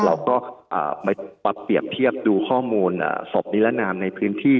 เราก็ไปปรับเปรียบเทียบดูข้อมูลศพนิรันดร์นามในพื้นที่